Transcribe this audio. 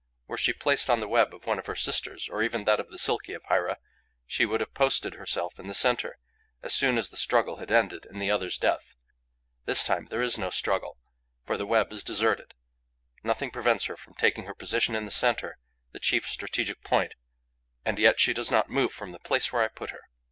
Were she placed on the web of one of her sisters, or even on that of the Silky Epeira, she would have posted herself in the centre, as soon as the struggle had ended in the other's death. This time there is no struggle, for the web is deserted; nothing prevents her from taking her position in the centre, the chief strategic point; and yet she does not move from the place where I put her.